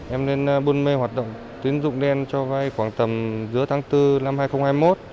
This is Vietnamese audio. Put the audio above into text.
em lên buôn mê hoạt động tín dụng đen cho vay khoảng tầm giữa tháng bốn năm hai nghìn hai mươi một